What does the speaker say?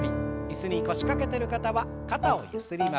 椅子に腰掛けてる方は肩をゆすります。